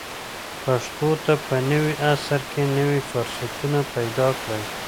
پښتو ته په نوي عصر کې نوي فرصتونه پیدا کړئ.